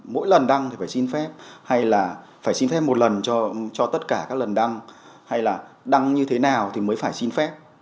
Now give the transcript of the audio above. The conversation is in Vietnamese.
mỗi lần đăng thì phải xin phép hay là phải xin phép một lần cho tất cả các lần đăng hay là đăng như thế nào thì mới phải xin phép